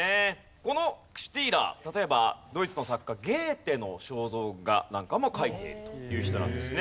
このシューティーラー例えばドイツの作家ゲーテの肖像画なんかも描いているという人なんですね。